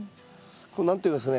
こう何て言いますかね